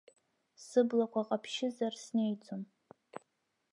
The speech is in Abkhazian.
Сыблақәа ҟаԥшьызар снеиӡом.